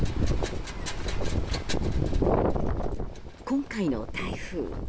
今回の台風。